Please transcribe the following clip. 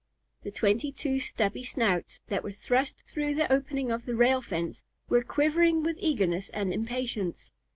The twenty two stubby snouts that were thrust through the opening of the rail fence were quivering with eagerness and impatience.